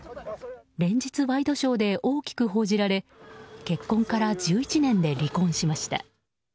連日ワイドショーで大きく報じられ結婚から１１年で離婚しました。